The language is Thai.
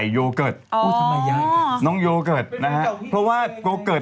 โยเกิร์ตนำไปออกไว้ในรายการ